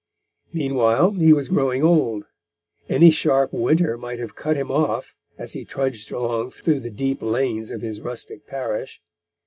Meanwhile, he was growing old. Any sharp winter might have cut him off, as he trudged along through the deep lanes of his rustic parish.